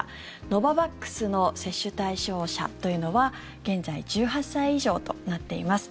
ノババックスの接種対象者というのは現在１８歳以上となっています。